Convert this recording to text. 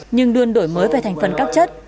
nhưng đơn đổi mới về thành phần các chất